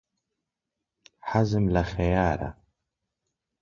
حەزم لە خەیارە.